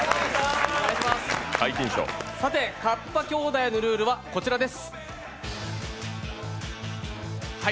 カッパ兄弟のルールはこちらです。